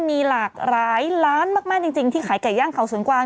มีหลากหลายล้านมากจริงที่ขายไก่ย่างเขาสวนกวาง